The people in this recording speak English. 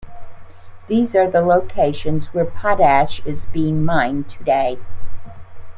These are the locations where potash is being mined today.